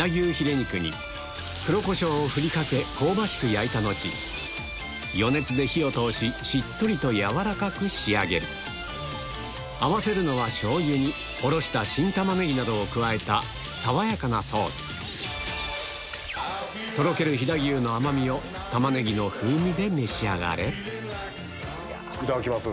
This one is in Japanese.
肉に黒コショウをふりかけ香ばしく焼いた後余熱で火を通ししっとりと軟らかく仕上げる合わせるのは爽やかなソースとろける飛騨牛の甘みをタマネギの風味で召し上がれいただきます。